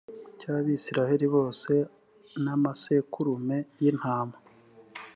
cy abisirayeli bose n amasekurume y intama